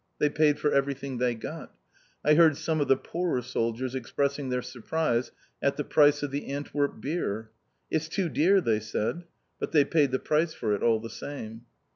They paid for everything they got. I heard some of the poorer soldiers expressing their surprise at the price of the Antwerp beer. "It's too dear!" they said. But they paid the price for it all the same.